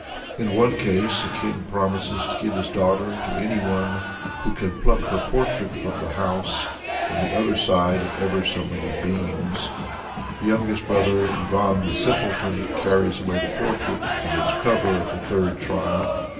In one case, a king promises to give his daughter to anyone "who can pluck her portrait from the house, from the other side of ever so many beams." The youngest brother, Ivan the Simpleton, carries away the portrait and its cover at the third trial.